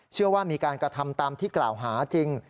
เชื่อว่ามีการกระทำตามที่กล่าวหาจริง